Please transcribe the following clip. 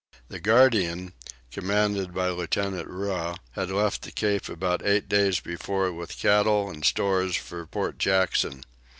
The Guardian, commanded by Lieutenant Riou, had left the Cape about eight days before with cattle and stores for Port Jackson.